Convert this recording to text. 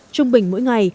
trung bình mỗi ngày